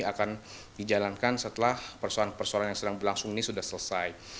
akan dijalankan setelah persoalan persoalan yang sedang berlangsung ini sudah selesai